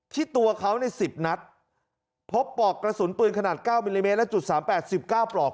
ตัวเขาใน๑๐นัดพบปลอกกระสุนปืนขนาด๙มิลลิเมตรและจุดสามแปดสิบเก้าปลอก